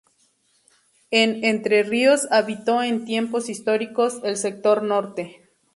En Entre Ríos habitó en tiempos históricos el sector norte.